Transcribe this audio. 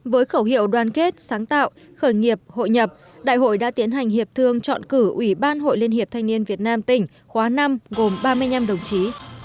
với khẩu hiệu đoàn kết sáng tạo khởi nghiệp hội nhập đại hội đã tiến hành hiệp thương chọn cử ủy ban hội liên hiệp thanh niên việt nam tỉnh khóa năm gồm ba mươi năm đồng chí